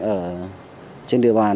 ở trên địa bàn thành phố